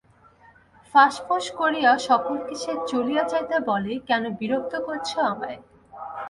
ফাঁঁসফোঁস করিয়া সকলকে সে চলিয়া যাইতে বলে, কেন বিরক্ত করছ আমায়?